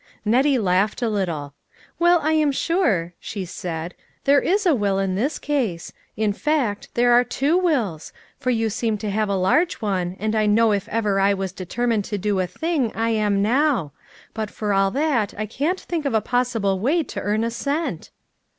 Nettie laughed a little. " Well, I am sure," she said, " there is a will in this case ; in fact, there are two wills ; for you seem to have a large one, and I know if ever I was determined to do a thing I am now ; but for all that I can't think of a possible way to earn a cent."